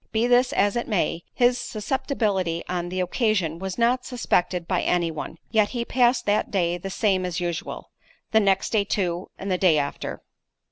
Be this as it may, his susceptibility on the occasion was not suspected by any one—yet he passed that day the same as usual; the next day too, and the day after.